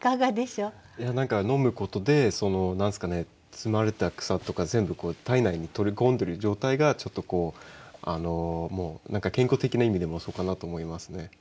いや何か飲むことでその何ですかね摘まれた草とか全部体内に取り込んでる状態がちょっとこうもう何か健康的な意味でもそうかなと思いますね。